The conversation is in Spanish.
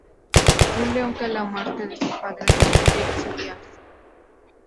un león que a la muerte de su padre decide exiliarse